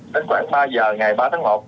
đến khoảng ba giờ ngày ba tháng một